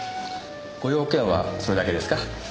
ご用件はそれだけですか？